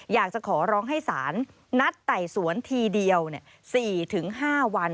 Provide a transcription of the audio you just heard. อยากจะขอร้องให้สารนัดไต่สวนทีเดียว๔๕วัน